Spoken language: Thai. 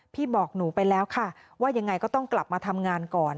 พี่บอกหนูไปแล้วค่ะว่ายังไงก็ต้องกลับมาทำงานก่อน